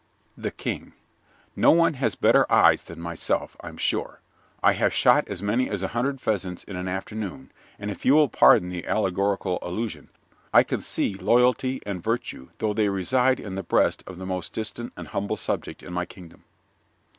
THE KING No one has better eyes than myself, I'm sure. I have shot as many as a hundred pheasants in an afternoon, and, if you will pardon the allegorical allusion, I can see loyalty and virtue though they reside in the breast of the most distant and humble subject in my kingdom.